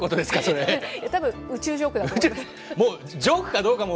たぶん、宇宙ジョークだと思